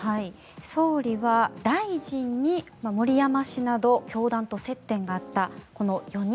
総理は大臣に盛山氏など教団と接点があったこの４人。